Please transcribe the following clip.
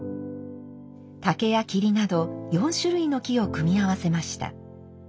竹や桐など４種類の木を組み合わせました。